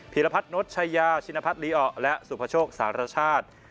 ีรพัฒนชายาชินพัฒนลีอและสุภโชคสารชาติ